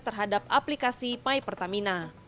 terhadap aplikasi my pertamina